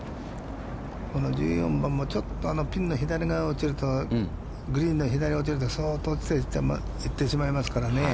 この１４番も、ピンの左側に落ちると、グリーンに左側に落ちると相当行ってしまいますからね。